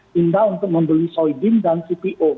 hingga untuk membeli soidin dan cpo